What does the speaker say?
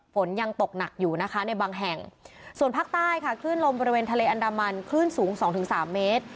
ฝนยังตกหนักอยู่นะคะในบางแห่งส่วนภาคใต้ค่ะคลื่นลมบริเวณทะเลอันดามันคลื่นสูงสองถึงสามเมตร